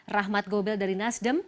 rahmat gobel dari nasdem